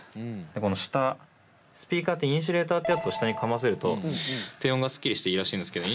でこの下スピーカーってインシュレーターってやつを下にかませると低音がすっきりしていいらしいんですけど